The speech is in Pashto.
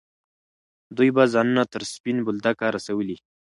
دوی به ځانونه تر سپین بولدکه رسولي.